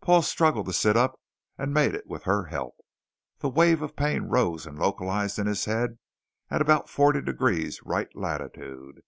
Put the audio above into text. Paul struggled to sit up and made it with her help. The wave of pain rose and localized in his head at about forty degrees right latitude.